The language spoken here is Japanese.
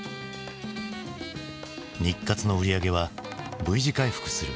日活の売り上げはＶ字回復する。